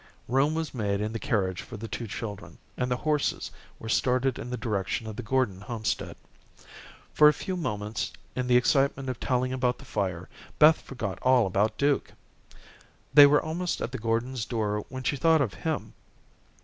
Room was made in the carriage for the two children, and the horses were started in the direction of the Gordon homestead. For a few moments, in the excitement of telling about the fire, Beth forgot all about Duke. They were almost at the Gordons' door when she thought of him.